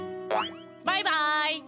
バイバイ！